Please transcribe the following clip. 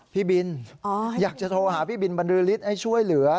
พี่บินอยากจะโทรหาพี่บินบรรลือฤทธิ์ให้ช่วยเหลือ